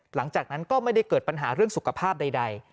หลังจากนั้นก็ไม่ได้เกิดปัญหาเรื่องสุขภาพใด